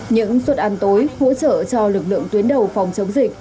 những suất ăn tối hỗ trợ cho lực lượng tuyến đầu phòng chống dịch